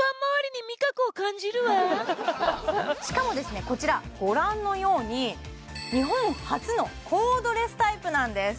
しかもですねこちらご覧のように日本初のコードレスタイプなんです